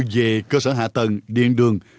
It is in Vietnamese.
về cơ sở hạ tầng điện đường